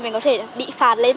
mình có thể bị phạt lên